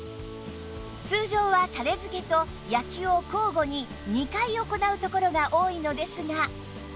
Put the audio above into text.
通常はたれ付けと焼きを交互に２回行うところが多いのですが